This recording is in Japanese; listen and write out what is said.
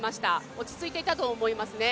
落ち着いていたと思いますね。